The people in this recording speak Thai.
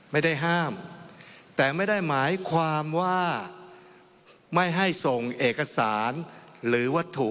ไม่ได้ห้ามแต่ไม่ได้หมายความว่าไม่ให้ส่งเอกสารหรือวัตถุ